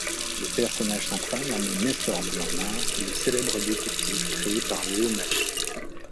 Le personnage central en est Nestor Burma, le célèbre détective créé par Leo Malet.